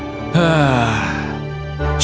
mereka semua pergi